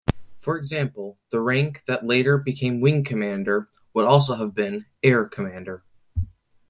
For example, the rank that later became wing commander would have been air commander.